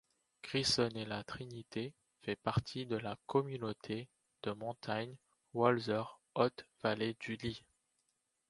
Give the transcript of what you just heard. Gressoney-La-Trinité fait partie de la communauté de montagne Walser - haute vallée du Lys.